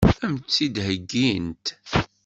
Ad m-tt-id-heggint?